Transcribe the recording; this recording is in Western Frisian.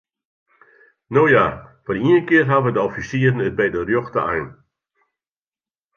No ja, foar ien kear hawwe de offisieren it by de rjochte ein.